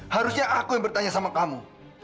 harusnya aku yang bertanya sama kamu